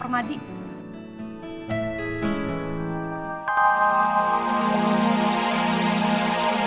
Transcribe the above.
mereka juga berharap